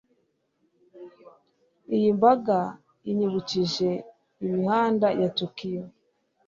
Iyi mbaga inyibukije imihanda ya Tokiyo.